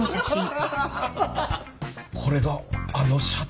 これがあの社長。